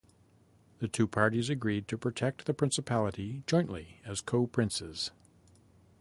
The two parties agreed to protect the principality jointly as co-princes.